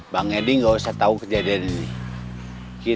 bang edi nggak usah tahu kejadian ini